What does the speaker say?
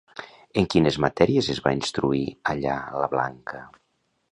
En quines matèries es va instruir, allà, la Blanca?